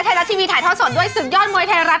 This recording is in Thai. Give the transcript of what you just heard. ไทยรัฐทีวีถ่ายทอดสดด้วยศึกยอดมวยไทยรัฐ